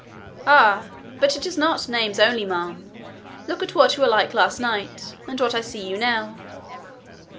'Ah! But it is not names only, ma'am. Look at what you were like last night, and what I see you now!'